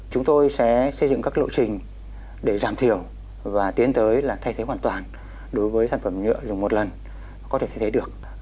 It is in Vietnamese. chúng tôi sẽ xây dựng các lộ trình để giảm thiểu và tiến tới là thay thế hoàn toàn đối với sản phẩm nhựa dùng một lần có thể thay thế được